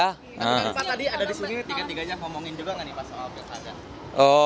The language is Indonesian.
tapi tadi ada di sini tiga tiganya ngomongin juga gak nih pak sobat